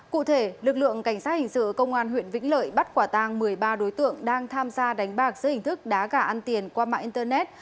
cụ thể lực lượng cảnh sát hình sự công an huyện vĩnh lợi bắt quả tang một mươi ba đối tượng đang tham gia đánh bạc dưới hình thức đá gà ăn tiền qua mạng internet